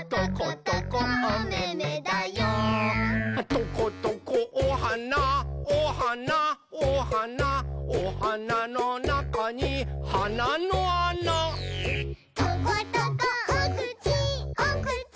「トコトコおはなおはなおはなおはなのなかにはなのあな」「トコトコおくちおくち